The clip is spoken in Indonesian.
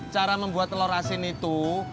cara membuat telur asin itu